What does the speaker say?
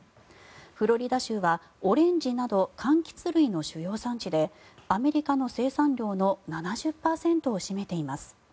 フロリダ州はオレンジなど柑橘類の主要産地でアメリカの生産量の７０％を占めています。